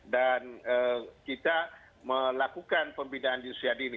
dan kita melakukan pembinaan di usia dini